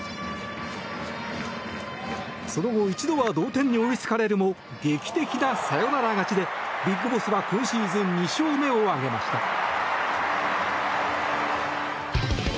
その後一度は同点に追いつかれるも劇的なサヨナラ勝ちでＢＩＧＢＯＳＳは今シーズン２勝目を挙げました。